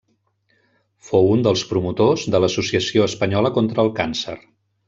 Fou un dels promotors de l'Associació Espanyola contra el Càncer.